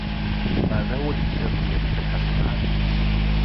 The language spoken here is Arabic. هذا هو الكتاب الذي تبحثون عنه.